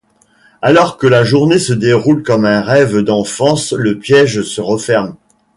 Alors que la journée se déroule comme un rêve d'enfance, le piège se referme.